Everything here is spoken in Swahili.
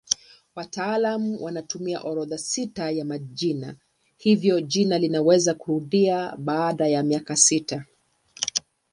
Wataalamu wanatumia orodha sita ya majina hivyo jina linaweza kurudia baada ya miaka sita.